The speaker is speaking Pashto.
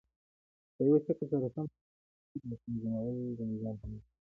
په یوه شکل سره د هغی ترتیب او تنظیمول د نظام په نوم یادیږی.